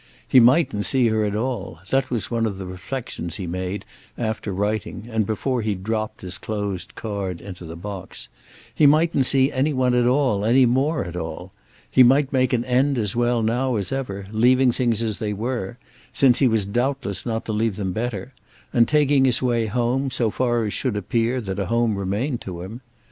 He mightn't see her at all; that was one of the reflexions he made after writing and before he dropped his closed card into the box; he mightn't see any one at all any more at all; he might make an end as well now as ever, leaving things as they were, since he was doubtless not to leave them better, and taking his way home so far as should appear that a home remained to him.